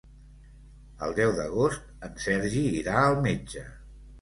El deu d'agost en Sergi irà al metge.